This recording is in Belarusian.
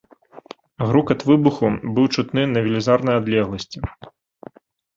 Грукат выбуху быў чутны на велізарнай адлегласці.